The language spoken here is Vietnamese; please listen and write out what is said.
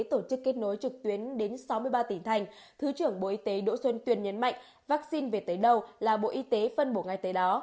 tổ chức kết nối trực tuyến đến sáu mươi ba tỉnh thành thứ trưởng bộ y tế đỗ xuân tuyên nhấn mạnh vaccine về tới đâu là bộ y tế phân bổ ngay tới đó